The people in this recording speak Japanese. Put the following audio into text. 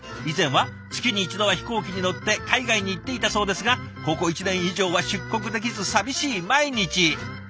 以前は月に１度は飛行機に乗って海外に行っていたそうですがここ１年以上は出国できず寂しい毎日。